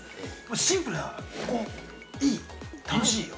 シンプルな、いい、楽しいよ。